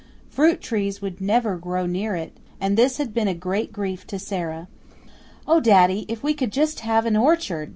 Fruit trees would never grow near it, and this had been a great grief to Sara. "Oh, daddy, if we could just have an orchard!"